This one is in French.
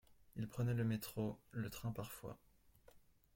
Il prenait le métro, le train parfois.